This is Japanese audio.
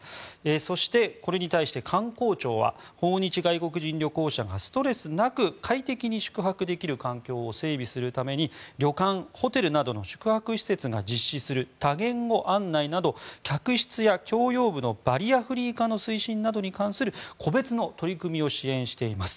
そして、これに対して観光庁は訪日外国人旅行者がストレスなく快適に宿泊できる環境を整備するために旅館・ホテルなどの宿泊施設が実施する多言語案内などバリアフリー化の推進などに関する個別の取り組みを支援しています。